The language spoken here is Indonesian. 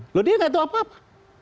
loh dia nggak tahu apa apa